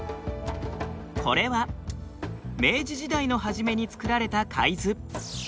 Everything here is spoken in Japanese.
これは明治時代の初めに作られた海図。